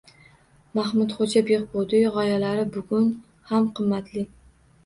Mahmudxo‘ja Behbudiy g‘oyalari bugun ham qimmatli